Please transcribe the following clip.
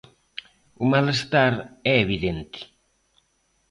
O malestar é evidente.